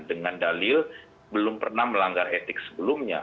dengan dalil belum pernah melanggar etik sebelumnya